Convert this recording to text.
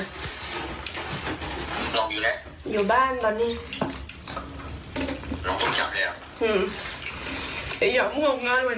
ถ้าเธอข้าวมาเธอาทยังให้เสื้อน่ะ